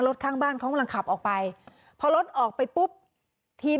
ข้างบ้านเขากำลังขับออกไปพอรถออกไปปุ๊บทีม